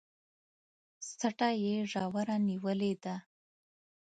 څټه يې ژوره نيولې ده